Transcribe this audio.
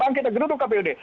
bang kita geruduk kpud